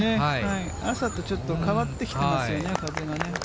朝とちょっと変わってきてますよね、風がね。